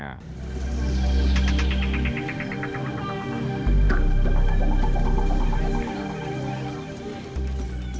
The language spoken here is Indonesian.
kota gede kota gede